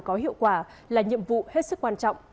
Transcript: có hiệu quả là nhiệm vụ hết sức quan trọng